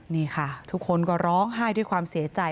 นี่ค่ะทุกคนก็ร้องไห้ด้วยความเสียใจ